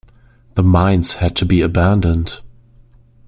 The mines had to be abandoned.